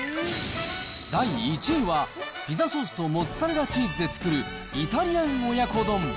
第１位は、ピザソースとモッツァレラチーズで作るイタリアン親子丼。